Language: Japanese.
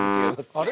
あれ？